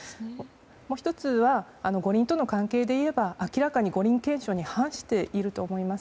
もう１つは、五輪との関係でいえば明らかに五輪憲章に反していると思います。